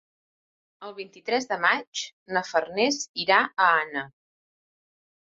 El vint-i-tres de maig na Farners irà a Anna.